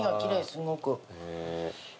すごく。